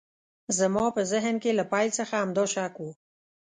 زما په ذهن کې له پیل څخه همدا شک و